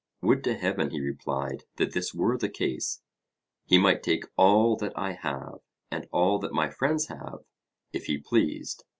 Would to heaven, he replied, that this were the case! He might take all that I have, and all that my friends have, if he pleased.